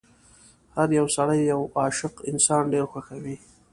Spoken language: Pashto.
هر يو سړی یو عاشق انسان ډېر خوښوي.